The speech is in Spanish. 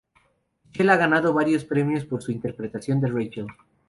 Michele ha ganado varios premios por su interpretación de Rachel.